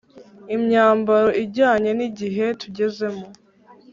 imyambaro ijyanye n igihe tugezemo